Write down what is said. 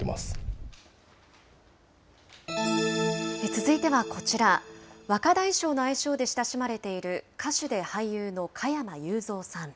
続いてはこちら、若大将の愛称で親しまれている歌手で俳優の加山雄三さん。